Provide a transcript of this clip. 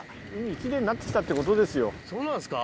そうなんですか。